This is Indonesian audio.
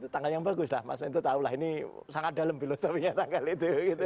tanggal yang bagus lah mas mento tahu lah ini sangat dalam filosofinya tanggal itu